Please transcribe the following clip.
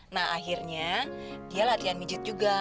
nah akhirnya dia latihan mijit juga